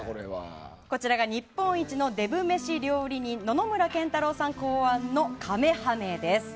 こちらが日本一のデブ飯料理人野々村研太郎さん考案のカメハメです。